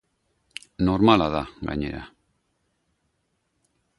Normala da, gainera.